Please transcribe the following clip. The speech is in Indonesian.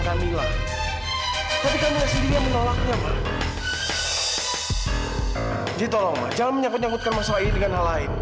kamilah tapi kamu sendiri menolaknya maju tolong jangan menyakitkan masalah ini dengan hal lain